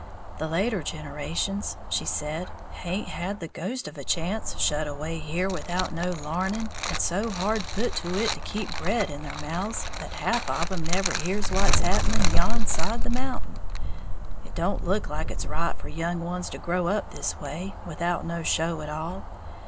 "The later generations," she said, "haint had the ghost of a chance, shut away here without no l'arning, and so hard put to it to keep bread in their mouths that half of 'em never hears what's happening yan side the mountain. It don't look like it's right for young ones to grow up this way, without no show at all.